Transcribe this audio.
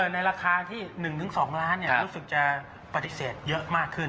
ในราคาที่๑๒ล้านรู้สึกจะปฏิเสธเยอะมากขึ้น